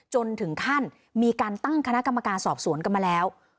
จนถึงขั้นมีการตั้งคณะกรรมการสอบสวนกันมาแล้ว